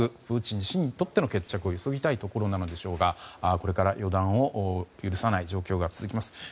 プーチン氏にとっての決着を急ぎたいところなのでしょうがこれから予断を許さない状況が続きます。